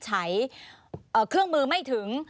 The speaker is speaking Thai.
ใช้เครื่องมือไม่ถึง